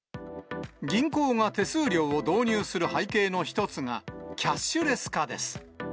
銀行が手数料を導入する背景の一つが、キャッシュレス化です。